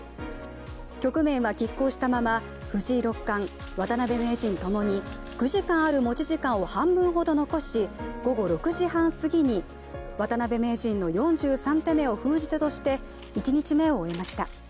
局面はきっ抗したたま、藤井六冠渡辺名人ともに９時間ある持ち時間を半分ほど残し午後６時半すぎに渡辺名人の４３手目を封じ手として１日目を終えました。